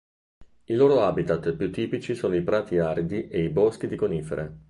I loro habitat più tipici sono i prati aridi e i boschi di conifere.